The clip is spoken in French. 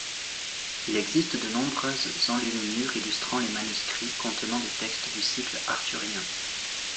Il existe de nombreuses enluminures illustrant les manuscrits contenant des textes du cycle arthurien.